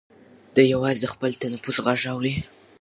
دی یوازې د خپل تنفس غږ اوري.